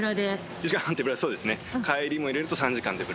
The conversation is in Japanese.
１時間半手ぶらそうですね。